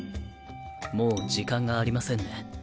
もう時間がありませんね。